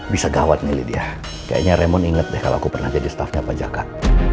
bisa gawat nih lydia kayaknya raymond inget deh kalo aku pernah jadi staffnya pak jakart